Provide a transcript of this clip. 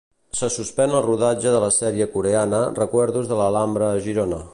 Se suspèn el rodatge de la sèrie coreana 'Recuerdos de la Alhambra'a Girona.